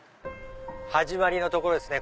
始まりのところですね！